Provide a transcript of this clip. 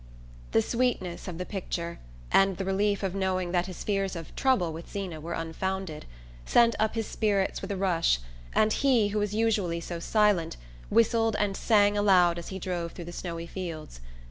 The sweetness of the picture, and the relief of knowing that his fears of "trouble" with Zeena were unfounded, sent up his spirits with a rush, and he, who was usually so silent, whistled and sang aloud as he drove through the snowy fields.